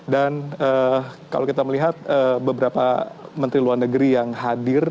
dan kalau kita melihat beberapa menteri luar negeri yang hadir